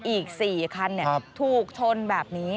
อีก๔คันถูกชนแบบนี้